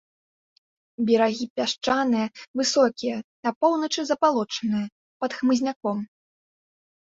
Берагі пясчаныя, высокія, на поўначы забалочаныя, пад хмызняком.